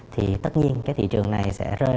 thì tất nhiên cái thị trường này sẽ rơi